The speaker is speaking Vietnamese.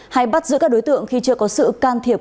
hay bắt giữ các đối tượng khi chưa có sự can thiệp